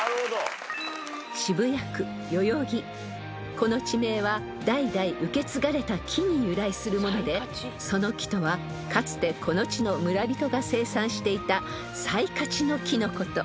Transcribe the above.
［この地名は代々受け継がれた木に由来するものでその木とはかつてこの地の村人が生産していたサイカチの木のこと］